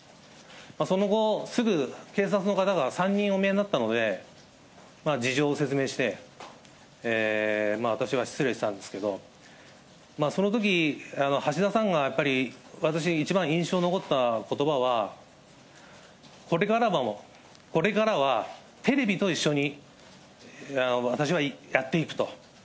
その後、すぐ警察の方が３人お見えになったので事情を説明して、私は失礼したんですけど、そのとき、橋田さんがやっぱり私、一番印象に残ったことばは、これからはテレビと一緒に私はやっていくと。